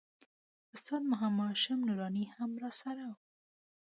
استاد محمد هاشم نوراني هم راسره و.